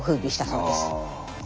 そうです。